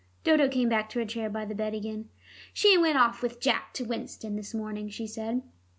Dodo came back to her chair by the bed again. "She went off with Jack to Winston this morning," she said.